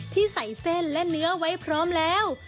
ที่ใส่เส้นและเนื้อไว้พร้อมแล้ว